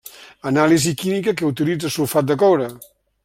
Anàlisi química que utilitza sulfat de coure.